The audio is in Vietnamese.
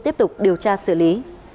tiếp tục điều tra xử lý